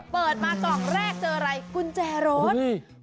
เปิดมากล่องแรกเจออะไรกุญแจรถ